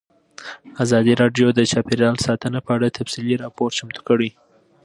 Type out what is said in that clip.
ازادي راډیو د چاپیریال ساتنه په اړه تفصیلي راپور چمتو کړی.